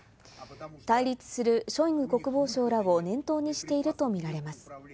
対立するショイグ国防相らを念頭にしているとみられます。